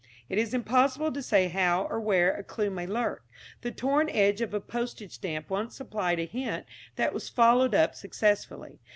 It is impossible to say how or where a clue may lurk. The torn edge of a postage stamp once supplied a hint that was followed up successfully.